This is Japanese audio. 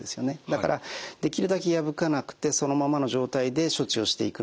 だからできるだけ破かなくてそのままの状態で処置をしていくのが望ましいと。